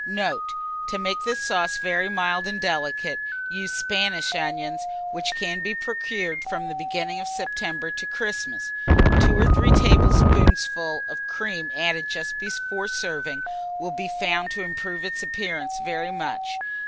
Note. To make this sauce very mild and delicate, use Spanish onions, which can be procured from the beginning of September to Christmas. 2 or 3 tablespoonfuls of cream added just before serving, will be found to improve its appearance very much.